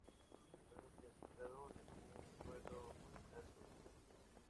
Los planes se asentaron en un vuelo orbital con un perro.